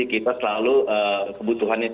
kita selalu kebutuhannya